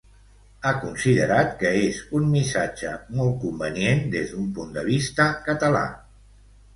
Ha considerat que és un missatge molt convenient des d'un punt de vista català.